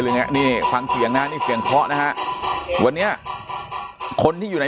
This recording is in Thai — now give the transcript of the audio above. เรื่องนี้ฟังเสียงนะนี่เสียงเคาะนะฮะวันนี้คนที่อยู่ใน